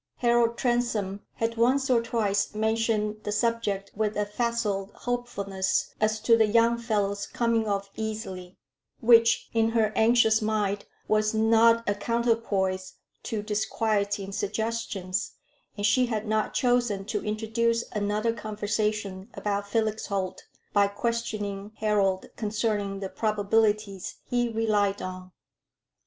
Harold Transome had once or twice mentioned the subject with a facile hopefulness as to "the young fellow's coming off easily," which, in her anxious mind, was not a counterpoise to disquieting suggestions, and she had not chosen to introduce another conversation about Felix Holt, by questioning Harold concerning the probabilities he relied on.